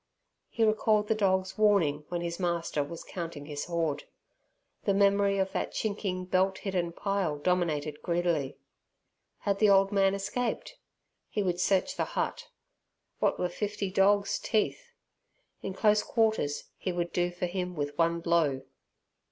He recalled the dog's warning when his master was counting his hoard. The memory of that chinking belt hidden pile dominated greedily. Had the old man escaped? He would search the hut; what were fifty dogs' teeth? In close quarters he would do for him with one blow.